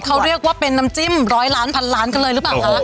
เขาเรียกว่าเป็นน้ำจิ้มร้อยล้านพันล้านกันเลยหรือเปล่าคะ